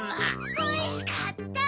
おいしかった。